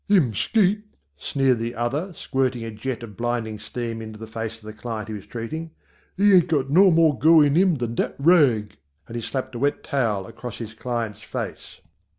"Him skate," sneered the other squirting a jet of blinding steam in the face of the client he was treating, "he ain't got no more go in him than dat rag," and he slapped a wet towel across his client's face.